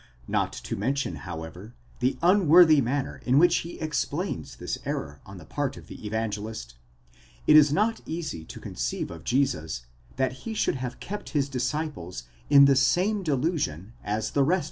Not to mention, however, the unworthy manner in which he explains this error on the part of the Evangelist,*¢ it is not easy to conceive of Jesus that he should have kept his disciples in the same delusion as the rest.